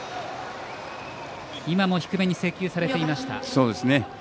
今も低めに制球されていました。